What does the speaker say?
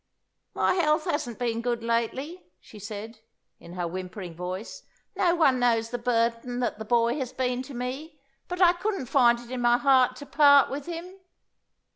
"My health hasn't been good lately," she said, in her whimpering voice. "No one knows the burden that the boy has been to me, but I couldn't find it in my heart to part with him."